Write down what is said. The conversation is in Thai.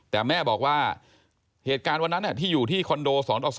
แต่แม่บอกว่าเหตุการณ์วันนั้นที่อยู่ที่คอนโด๒ต่อ๒